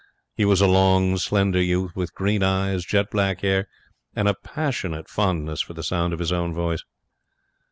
He was a long, slender youth, with green eyes, jet black hair, and a passionate fondness for the sound of his own voice.